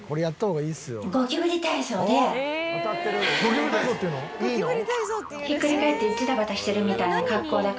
ひっくり返ってジタバタしてるみたいな格好だから。